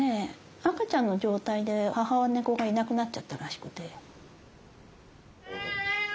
赤ちゃんの状態で母猫がいなくなっちゃったらしくて。